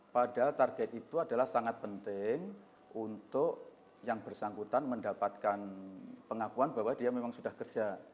padahal target itu adalah sangat penting untuk yang bersangkutan mendapatkan pengakuan bahwa dia memang sudah kerja